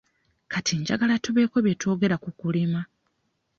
Kati njagala tubeeko bye twogera ku kulima.